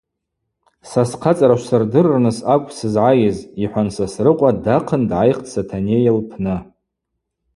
Са схъацӏара швсырдырырныс акӏвпӏ сызгӏайыз,— йхӏван Сосрыкъва дахъын дгӏайхтӏ Сатанейа лпны.